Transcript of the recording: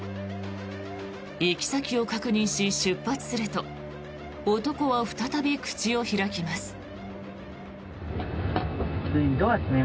行き先を確認し、出発すると男は再び口を開きます。